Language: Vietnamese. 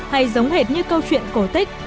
hay giống hệt như câu chuyện cổ tích